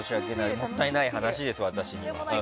もったいない話です、私には。